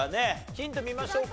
ヒント見ましょうか。